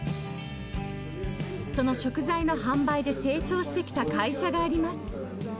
その食材の販売で成長してきた会社があります。